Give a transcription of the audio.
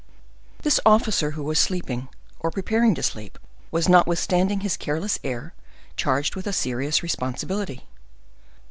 This officer, who was sleeping, or preparing to sleep, was, notwithstanding his careless air, charged with a serious responsibility.